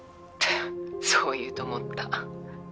「フッそう言うと思った」